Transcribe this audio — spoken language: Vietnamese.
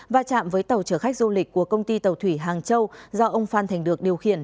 và chạm với tàu chở khách du lịch của công ty tàu thủy hàng châu do ông phan thành được điều khiển